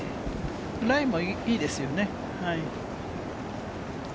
ライもいいですよね。